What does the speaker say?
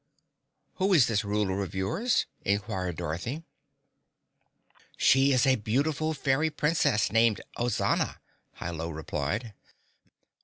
"Who is this ruler of yours?" inquired Dorothy. "She is a beautiful Fairy Princess, named Ozana," Hi Lo replied.